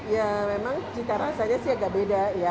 ya memang cita rasanya sih agak beda ya